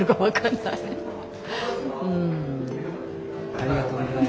ありがとうございます。